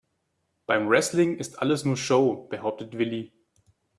"Beim Wrestling ist alles nur Show", behauptet Willi.